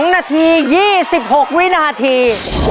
๒นาที๒๖วินาที